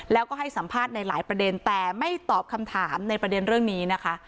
แล้วก็ให้สัมภาษณ์ในหลายประเด็นแต่ไม่ตอบคำถามในประเด็นเรื่องนี้นะคะ